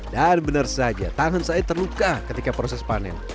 dan benar saja tangan saya terluka ketika proses panen